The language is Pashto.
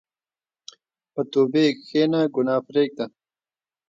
په توبې کښېنه، ګناه پرېږده.